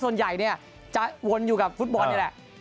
ส่วนใหญ่เนี่ยจะวนอยู่กับฟุตบอลนี่แหละ